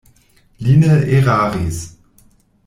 Li ne eraris.